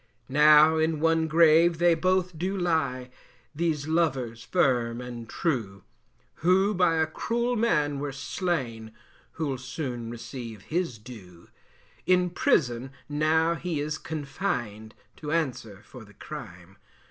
Now in one grave they both do lie, These lovers firm and true, Who by a cruel man were slain, Who'll soon receive his due. In prison now he is confined, To answer for the crime.